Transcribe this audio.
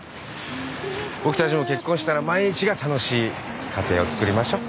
僕たちも結婚したら毎日が楽しい家庭をつくりましょ。